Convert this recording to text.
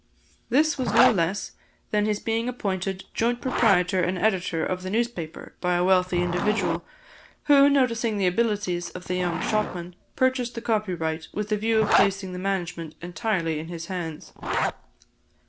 This was no less than his being appointed joint proprietor and editor of the newspaper by a wealthy individual, who, noticing the abilities of the young shopman, purchased the copyright with the view of placing the management entirely in his hands.